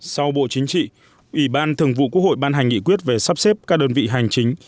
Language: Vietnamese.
sau bộ chính trị ủy ban thường vụ quốc hội ban hành nghị quyết về sắp xếp các đơn vị hành chính